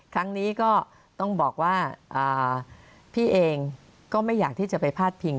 ครั้งนี้ก็ต้องบอกว่าพี่เองก็ไม่อยากที่จะไปพาดพิง